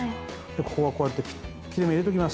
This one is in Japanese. ここはこうやって切れ目入れておきます